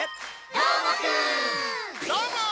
どーも！